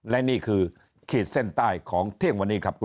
และนี่คือขีดเส้นใต้ของเที่ยงวันนี้ครับ